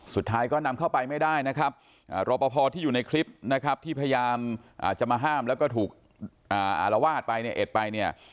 สุดท้ายก็นำเข้าไปไม่ได้นะครับรอปภที่อยู่ในคลิปนะครับที่พยายามจะมาห้ามแล้วก็ถูกอารวาสไปเนี่ยเอ็ดไปเนี่ย